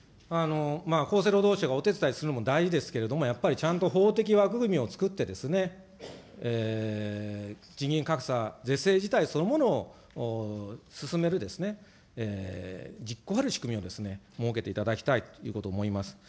厚生労働省がお手伝いするのも大事ですけれども、やっぱりちゃんと法的枠組みを作ってですね、賃金格差是正自体、そのものを進める実効ある仕組みを設けていただきたいと思います。